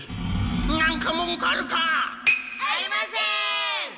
なんかもんくあるか！？ありません！